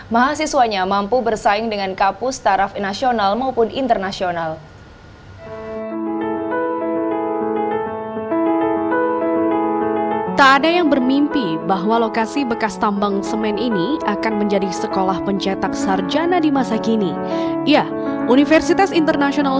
mahasiswanya mampu bersaing dengan kapus taraf nasional maupun internasional